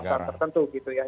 lembaga negara tertentu gitu ya